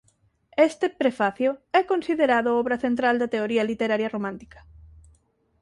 Este "Prefacio" é considerado obra central da teoría literaria romántica.